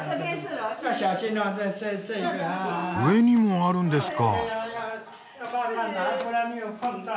上にもあるんですか。